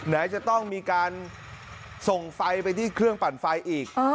ไหนจะต้องมีการส่งไฟไปที่เครื่องปั่นไฟอีก